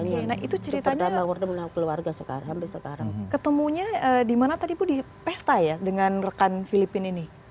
nah itu ceritanya ketemunya dimana tadi ibu di pesta ya dengan rekan filipin ini